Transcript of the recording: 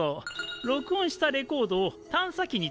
録音したレコードを探査機に積んだんだ。